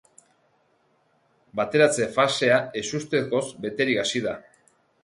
Bateratze fasea ezustekoz beterik hasi da.